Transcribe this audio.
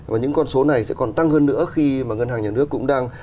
và những con số này sẽ còn tăng hơn nữa khi mà ngân hàng nhà nước cũng đang